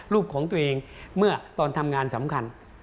ของตัวเองเมื่อตอนทำงานสำคัญ